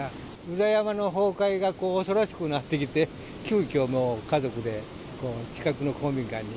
裏山の崩壊が、恐ろしくなってきて、急きょ、家族で近くの公民館に。